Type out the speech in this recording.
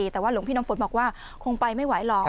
แต่ว่าหลวงพี่น้ำฝนบอกว่าคงไปไม่ไหวหรอก